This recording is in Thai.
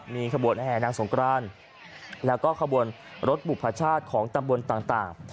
มีขบวนแห่นางสงกรานแล้วก็ขบวนรถบุพชาติของตำบลต่าง